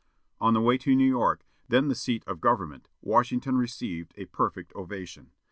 On the way to New York, then the seat of government, Washington received a perfect ovation.